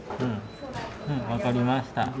分かりました。